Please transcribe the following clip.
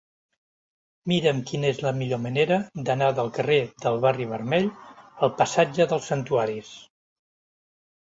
Mira'm quina és la millor manera d'anar del carrer del Barri Vermell al passatge dels Santuaris.